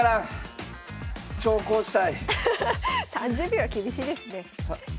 ３０秒は厳しいですね。